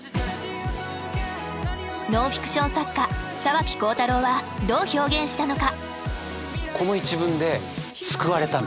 ノンフィクション作家沢木耕太郎はどう表現したのか？